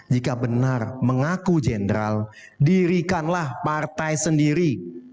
jika benar mengaku jenderal dirikanlah partai sendiri